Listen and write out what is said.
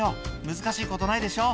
難しいことないでしょ」